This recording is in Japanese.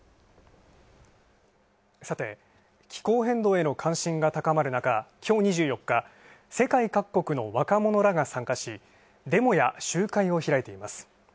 さて、気候変動への関心が高まる中きょう２４日、世界各国の若者らが参加しデモや集会を開いています。